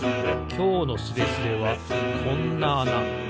きょうのスレスレはこんなあな。